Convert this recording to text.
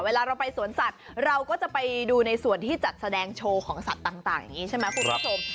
เวลาเราไปสวนสัตว์เราก็จะไปดูในส่วนที่จัดแสดงโชว์ของสัตว์ต่างอย่างนี้ใช่ไหมคุณผู้ชม